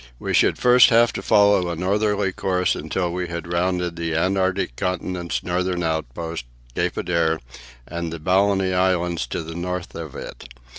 We should first have to follow a northerly course until we had rounded the Antarctic Continent's northern outpost, Cape Adare, and the Balleny Islands to the north of it.